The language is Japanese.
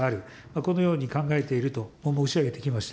このように考えていると申し上げてきました。